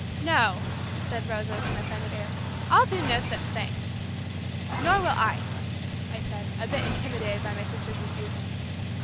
"No," said Rosa, with an offended air, "I'll do no such thing." "Nor will I." I said, a bit intimidated by my sister's refusal.